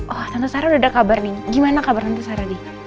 oh tante sarah udah ada kabar nih gimana kabar tante sarah nih